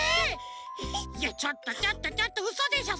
いやちょっとちょっとちょっとうそでしょ？